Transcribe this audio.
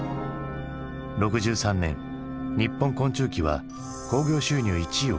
６３年「にっぽん昆虫記」は興行収入１位を獲得。